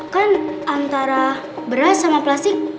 kan antara beras sama plastik